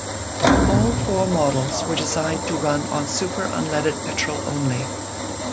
All four models were designed to run on super unleaded petrol only.